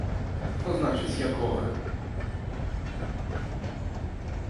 Што значыць, з якога!?